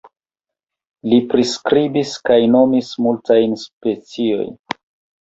Li priskribis kaj nomis multajn speciojn.